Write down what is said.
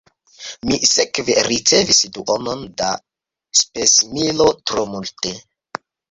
Mi sekve ricevis duonon da spesmilo tro multe.